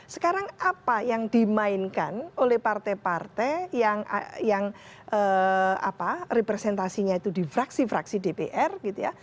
sekarang apa yang dimainkan oleh partai partai yang representasinya itu di fraksi fraksi dpr gitu ya